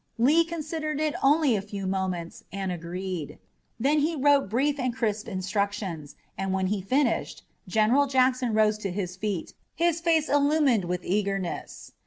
Lee considered it only a few moments and agreed. Then he wrote brief and crisp instructions, and when he finished, General Jackson rose to his feet, his face illumined with eagerness.